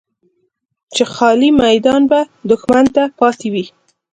چې خالي میدان به دښمن ته پاتې وي.